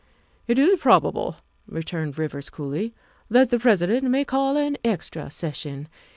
'' "It is probable," returned Rivers coolly, " that the President may call an extra session.